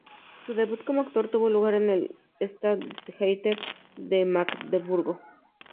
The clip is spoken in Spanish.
Su debut como actor tuvo lugar en el Stadttheater de Magdeburgo.